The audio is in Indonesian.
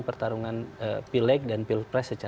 pertarungan pileg dan pilpres